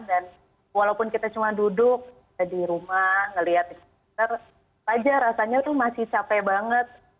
dan walaupun kita cuma duduk di rumah melihat twitter saja rasanya itu masih capek banget